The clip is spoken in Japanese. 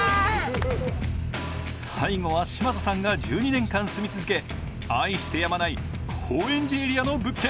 最後は嶋佐さんが１２年間住み続け愛してやまない高円寺エリアの物件